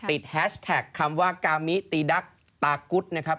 แฮชแท็กคำว่ากามิตีดักตากุ๊ดนะครับ